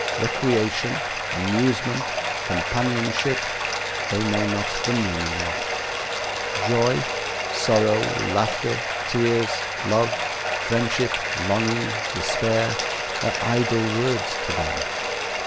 Recreation, amusement, companionship, they know not the meaning of. Joy, sorrow, laughter, tears, love, friendship, longing, despair, are idle words to them.